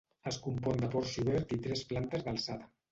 Es compon de porxo obert i tres plantes d'alçada.